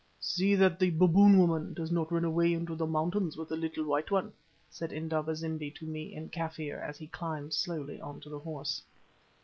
"See that the 'Baboon woman' does not run away into the mountains with the little white one," said Indaba zimbi to me in Kaffir, as he climbed slowly on to the horse.